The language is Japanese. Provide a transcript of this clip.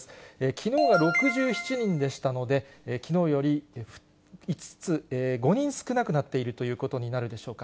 きのうが６７人でしたので、きのうより５人少なくなっているということになるでしょうか。